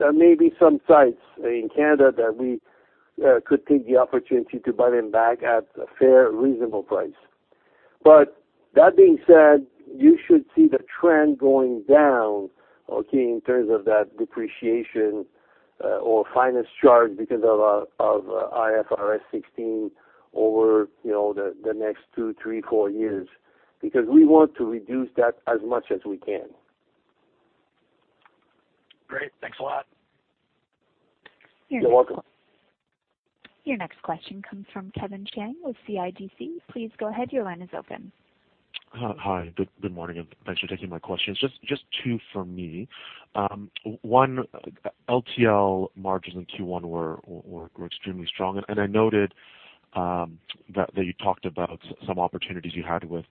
there may be some sites in Canada that we could take the opportunity to buy them back at a fair, reasonable price. That being said, you should see the trend going down, okay, in terms of that depreciation or finance charge because of IFRS 16 over the next two, three, four years, because we want to reduce that as much as we can. Great. Thanks a lot. You're welcome. Your next question comes from Kevin Chiang with CIBC. Please go ahead. Your line is open. Hi. Good morning, and thanks for taking my questions. Just two from me. One, LTL margins in Q1 were extremely strong. I noted that you talked about some opportunities you had with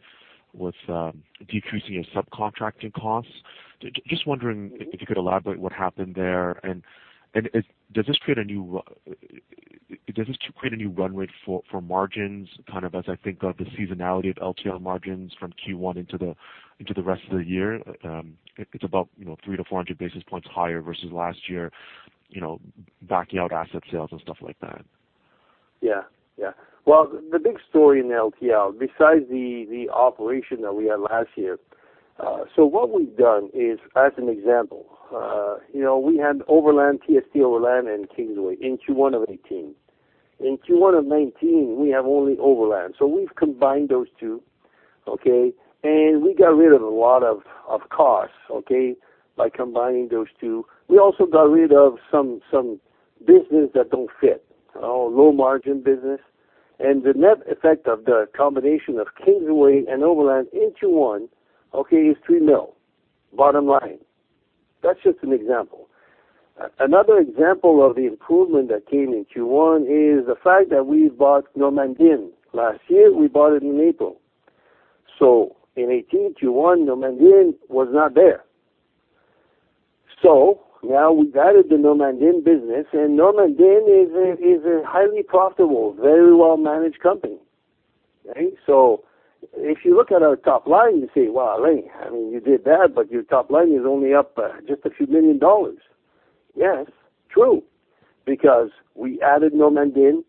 decreasing your subcontracting costs. Just wondering if you could elaborate what happened there, and does this create a new run rate for margins, kind of as I think of the seasonality of LTL margins from Q1 into the rest of the year? It's about 300-400 basis points higher versus last year, backing out asset sales and stuff like that. Well, the big story in LTL, besides the operation that we had last year, as an example, we had Overland, TST Overland, and Kingsway in Q1 of 2018. In Q1 of 2019, we have only Overland. We've combined those two, okay? We got rid of a lot of costs, okay, by combining those two. We also got rid of some business that don't fit, low margin business. The net effect of the combination of Kingsway and Overland in Q1, okay, is 3 million, bottom line. That's just an example. Another example of the improvement that came in Q1 is the fact that we bought Normandin. Last year, we bought it in April. In 2018, Q1, Normandin was not there. Now we've added the Normandin business, and Normandin is a highly profitable, very well-managed company. Okay? If you look at our top line, you say, "Well, Alain, I mean, you did that, but your top line is only up just a few million dollars." Yes, true, because we added Normandin.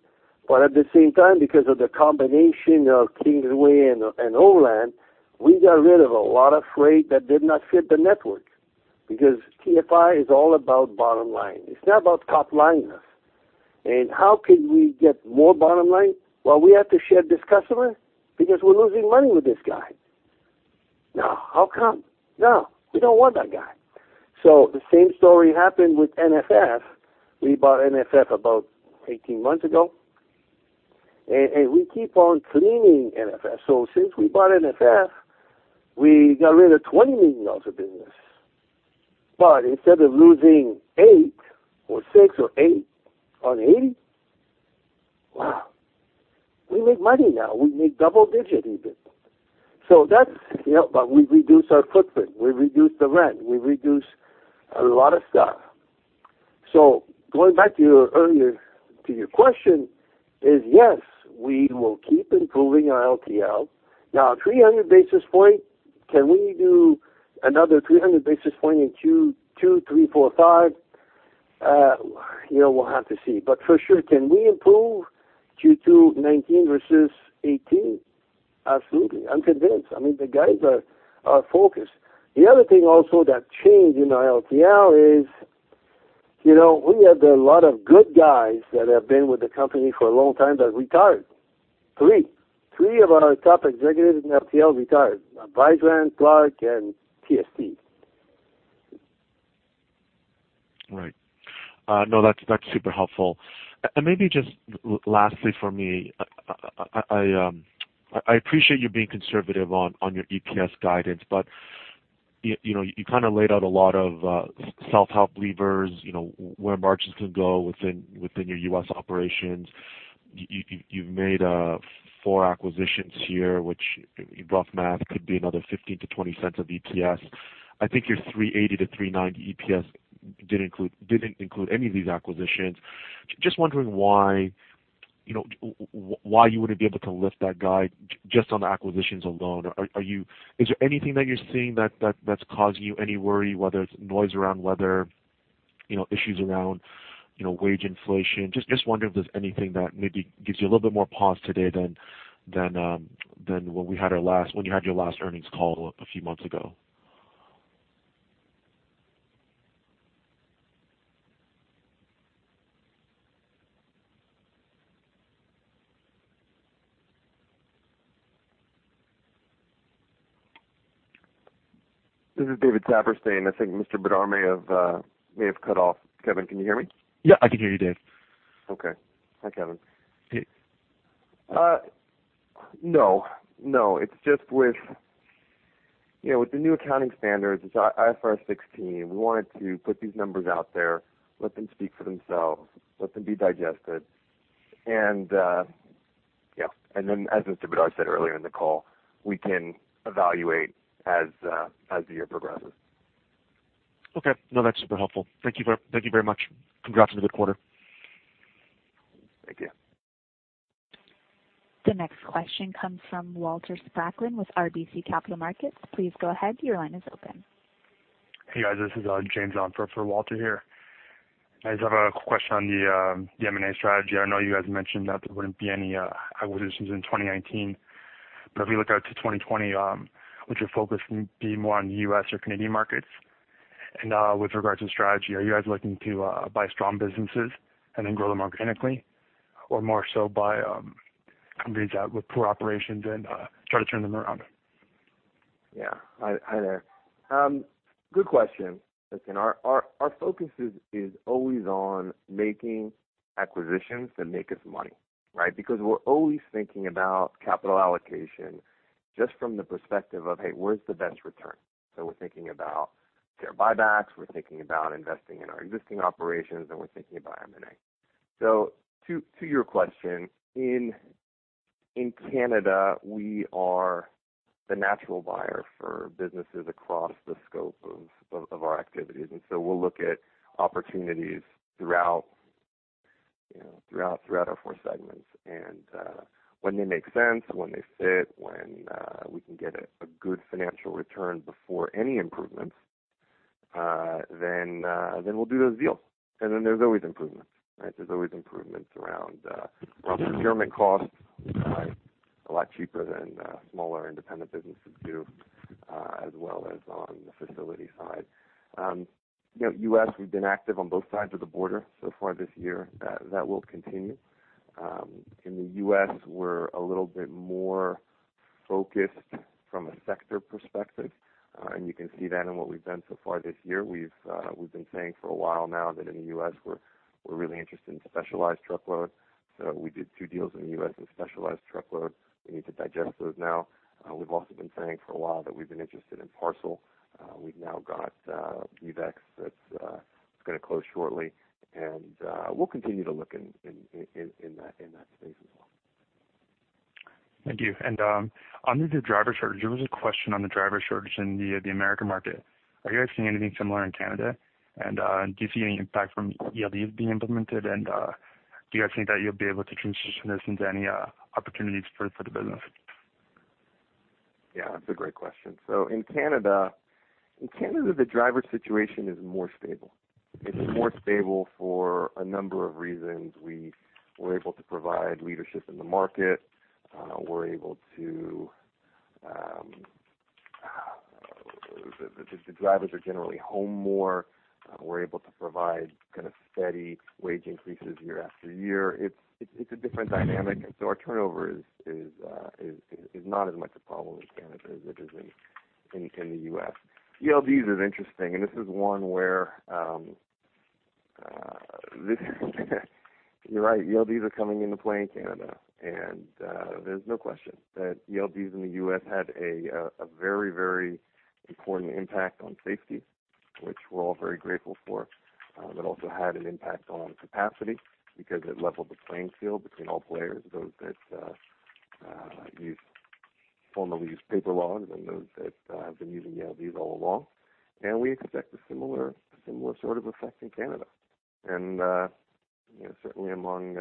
At the same time, because of the combination of Kingsway and Overland, we got rid of a lot of freight that did not fit the network, because TFI is all about bottom line. It's not about top line. How can we get more bottom line? Well, we have to shed this customer because we're losing money with this guy. Now, how come? No, we don't want that guy. The same story happened with NFF. We bought NFF about 18 months ago, and we keep on cleaning NFF. Since we bought NFF, we got rid of 20 million dollars of business. Instead of losing 8 or 6 or 8 on 80, wow, we make money now. We make double digit even. We reduce our footprint, we reduce the rent, we reduce a lot of stuff. Going back to your question is, yes, we will keep improving our LTL. Now, 300 basis points, can we do another 300 basis points in Q2, 3, 4, 5? We'll have to see. For sure, can we improve Q2 2019 versus 2018? Absolutely. I'm convinced. I mean, the guys are focused. The other thing also that changed in our LTL is. We have a lot of good guys that have been with the company for a long time that have retired. Three of our top executives in FTL retired. Brydges, Clark, and TSD. Right. No, that's super helpful. Maybe just lastly for me, I appreciate you being conservative on your EPS guidance, but you laid out a lot of self-help levers, where margins can go within your U.S. operations. You've made four acquisitions here, which in rough math could be another 0.15-0.20 of EPS. I think your 3.80-3.90 EPS didn't include any of these acquisitions. Just wondering why you wouldn't be able to lift that guide just on the acquisitions alone. Is there anything that you're seeing that's causing you any worry, whether it's noise around weather, issues around wage inflation? Just wonder if there's anything that maybe gives you a little bit more pause today than when you had your last earnings call a few months ago. This is David Saperstein. I think Mr. Bédard may have cut off. Kevin, can you hear me? Yeah, I can hear you, Dave. Okay. Hi, Kevin. Hey. No. It's just with the new accounting standards, it's IFRS 16. We wanted to put these numbers out there, let them speak for themselves, let them be digested. Then as Mr. Bédard said earlier in the call, we can evaluate as the year progresses. Okay. No, that's super helpful. Thank you very much. Congrats on a good quarter. Thank you. The next question comes from Walter Spracklin with RBC Capital Markets. Please go ahead. Your line is open. Hey, guys. This is James on for Walter here. I just have a question on the M&A strategy. I know you guys mentioned that there wouldn't be any acquisitions in 2019. If we look out to 2020, would your focus be more on U.S. or Canadian markets? With regards to strategy, are you guys looking to buy strong businesses and then grow them organically? More so buy companies out with poor operations and try to turn them around? Yeah. Hi there. Good question. Listen, our focus is always on making acquisitions that make us money. We're always thinking about capital allocation just from the perspective of, hey, where's the best return? We're thinking about share buybacks, we're thinking about investing in our existing operations, and we're thinking about M&A. To your question, in Canada, we are the natural buyer for businesses across the scope of our activities. We'll look at opportunities throughout our four segments. When they make sense, when they fit, when we can get a good financial return before any improvements, we'll do those deals. There's always improvements. There's always improvements around procurement costs, a lot cheaper than smaller independent businesses do, as well as on the facility side. U.S., we've been active on both sides of the border so far this year. That will continue. In the U.S., we're a little bit more focused from a sector perspective, and you can see that in what we've done so far this year. We've been saying for a while now that in the U.S., we're really interested in specialized truckload. We did two deals in the U.S. in specialized truckload. We need to digest those now. We've also been saying for a while that we've been interested in parcel. We've now got BeavEx that's going to close shortly. We'll continue to look in that space as well. Thank you. Under the driver shortage, there was a question on the driver shortage in the American market. Are you guys seeing anything similar in Canada? Do you see any impact from ELDs being implemented? Do you guys think that you'll be able to transition this into any opportunities for the business? That's a great question. In Canada, the driver situation is more stable. It's more stable for a number of reasons. We're able to provide leadership in the market. The drivers are generally home more. We're able to provide steady wage increases year after year. It's a different dynamic. Our turnover is not as much a problem in Canada as it is in the U.S. ELDs is interesting, this is one where you're right, ELDs are coming into play in Canada. There's no question that ELDs in the U.S. had a very important impact on safety, which we're all very grateful for. That also had an impact on capacity because it leveled the playing field between all players, those that formerly used paper logs and those that have been using ELDs all along. We expect a similar sort of effect in Canada. Certainly among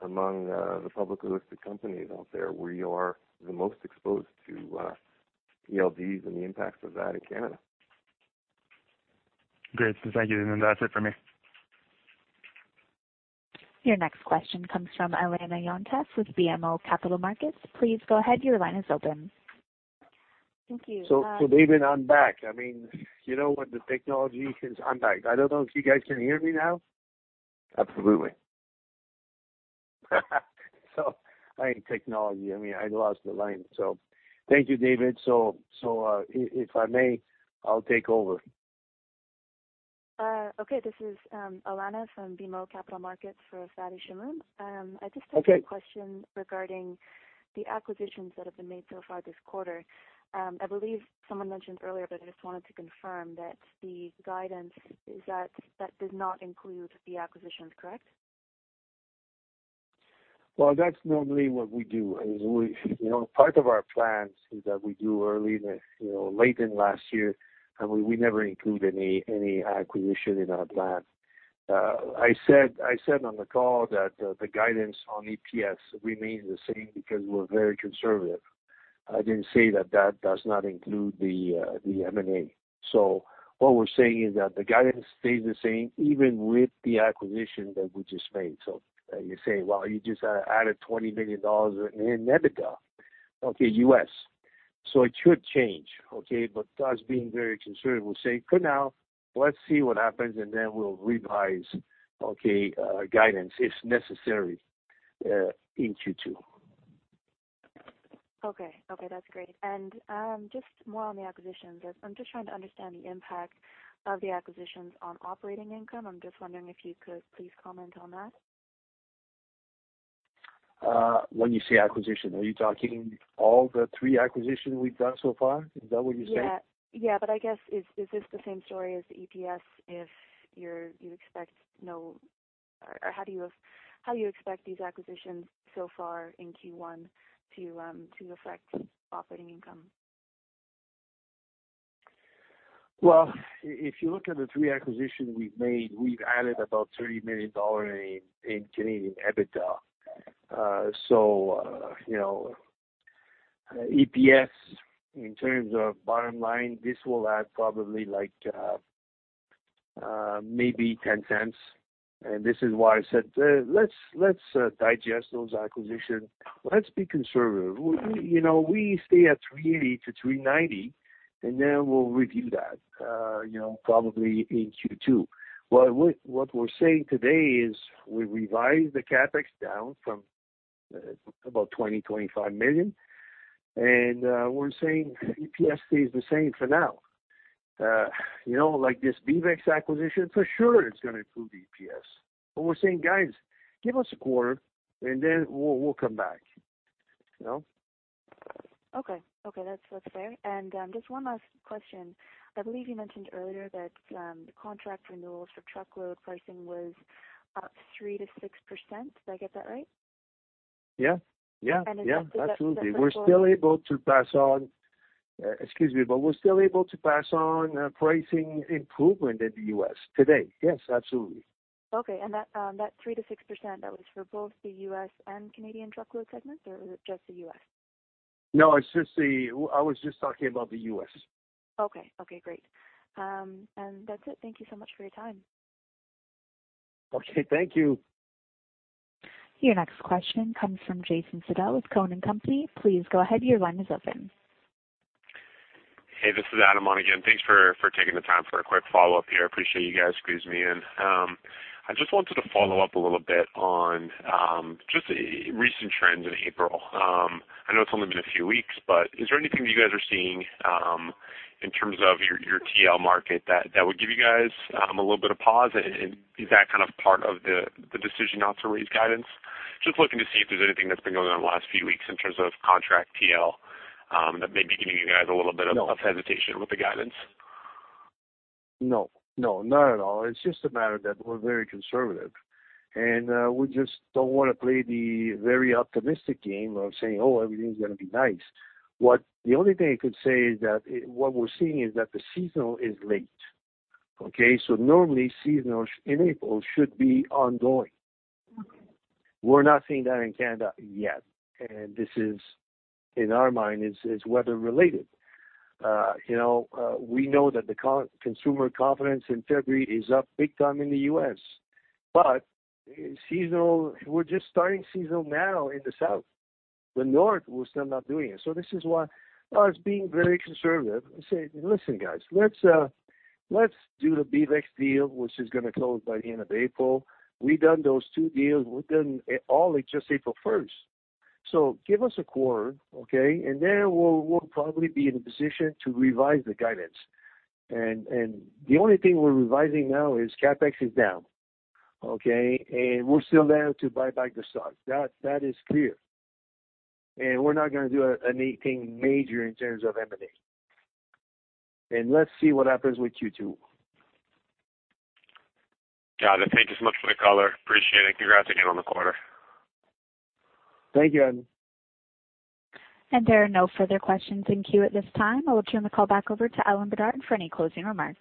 the publicly listed companies out there, we are the most exposed to ELDs and the impacts of that in Canada. Great. Thank you. That's it for me. Your next question comes from Alana Yontes with BMO Capital Markets. Please go ahead, your line is open. Thank you. David, I'm back. You know what? The technology I'm back. I don't know if you guys can hear me now. Absolutely. Technology, I lost the line. Thank you, David. If I may, I'll take over. Okay. This is Alana from BMO Capital Markets for Fadi Chamoun. Okay. I just have a question regarding the acquisitions that have been made so far this quarter. I just wanted to confirm that the guidance is that did not include the acquisitions, correct? Well, that's normally what we do. Part of our plans is that we do late in last year. We never include any acquisition in our plan. I said on the call that the guidance on EPS remains the same because we're very conservative. I didn't say that does not include the M&A. What we're saying is that the guidance stays the same even with the acquisition that we just made. You're saying, "Well, you just added $20 million in EBITDA." Okay, U.S. It could change. Us being very conservative, we'll say for now, let's see what happens. We'll revise guidance if necessary in Q2. Okay. That's great. Just more on the acquisitions. I'm just trying to understand the impact of the acquisitions on operating income. I'm just wondering if you could please comment on that. When you say acquisition, are you talking all the three acquisitions we've done so far? Is that what you're saying? I guess, is this the same story as the EPS if you expect no or how you expect these acquisitions so far in Q1 to affect operating income? Well, if you look at the three acquisitions we've made, we've added about 30 million dollars in Canadian EBITDA. EPS, in terms of bottom line, this will add probably maybe 0.10. This is why I said, let's digest those acquisitions. Let's be conservative. We stay at 3.80-3.90, we'll review that probably in Q2. What we're saying today is we revised the CapEx down from about 20 million-25 million, we're saying EPS stays the same for now. Like this BeavEx acquisition, for sure it's going to improve EPS. We're saying, "Guys, give us a quarter, we'll come back. Okay. That's fair. Just one last question. I believe you mentioned earlier that the contract renewals for truckload pricing was up 3%-6%. Did I get that right? Yeah. Absolutely. Is that for- Excuse me, we're still able to pass on pricing improvement in the U.S. today. Yes, absolutely. Okay. That 3%-6%, that was for both the U.S. and Canadian truckload segments, or was it just the U.S.? No, I was just talking about the U.S. Okay, great. That's it. Thank you so much for your time. Okay, thank you. Your next question comes from Jason Seidl with Cowen and Company. Please go ahead, your line is open. Hey, this is Adam on again. Thanks for taking the time for a quick follow-up here. I appreciate you guys squeezing me in. I just wanted to follow up a little bit on just recent trends in April. I know it's only been a few weeks, but is there anything that you guys are seeing in terms of your TL market that would give you guys a little bit of pause? Is that part of the decision not to raise guidance? Just looking to see if there's anything that's been going on in the last few weeks in terms of contract TL that may be giving you guys. No hesitation with the guidance. No, not at all. It's just a matter that we're very conservative, and we just don't want to play the very optimistic game of saying, "Oh, everything's going to be nice." The only thing I could say is that what we're seeing is that the seasonal is late. Normally, seasonal in April should be ongoing. Okay. We're not seeing that in Canada yet. This is, in our mind, is weather related. We know that the consumer confidence in February is up big time in the U.S., we're just starting seasonal now in the South. The North was still not doing it. This is why us being very conservative and saying, "Listen, guys. Let's do the BeavEx deal, which is going to close by the end of April." We've done those two deals. We've done it all in just April 1st. Give us a quarter, okay, and then we'll probably be in a position to revise the guidance. The only thing we're revising now is CapEx is down, and we're still there to buy back the stock. That is clear. We're not going to do anything major in terms of M&A. Let's see what happens with Q2. Got it. Thank you so much for the call. Appreciate it. Congrats again on the quarter. Thank you, Adam. There are no further questions in queue at this time. I will turn the call back over to Alain Bédard for any closing remarks.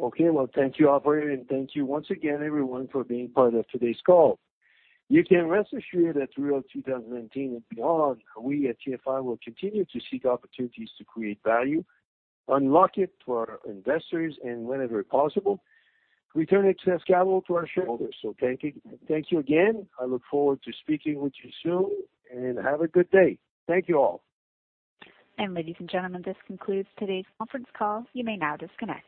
Okay. Well, thank you, operator, and thank you once again, everyone, for being part of today's call. You can rest assured that through 2019 and beyond, we at TFI will continue to seek opportunities to create value, unlock it for our investors, and whenever possible, return excess capital to our shareholders. Thank you again. I look forward to speaking with you soon, and have a good day. Thank you all. Ladies and gentlemen, this concludes today's conference call. You may now disconnect.